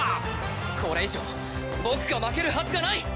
これ以上僕が負けるはずがない！